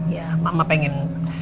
ya mama pengen